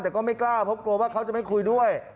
แต่ก็ไม่กล้าเพราะกลัวว่าเขาจะไม่คุยด้วย